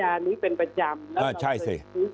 อย่างนั้นเนี่ยถ้าเราไม่มีอะไรที่จะเปรียบเทียบเราจะทราบได้ไงฮะเออ